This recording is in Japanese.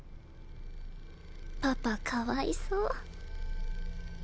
パパかわいそっえ